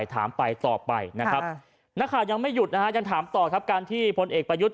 ทำต่อการที่ผลเอกประยุทธ์